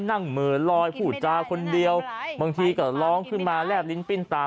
เหมือนลอยพูดจาคนเดียวบางทีก็ร้องขึ้นมาแลบลิ้นปิ้นตา